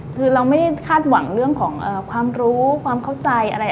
คือเราไม่ได้คาดหวังเรื่องของความรู้ความเข้าใจอะไร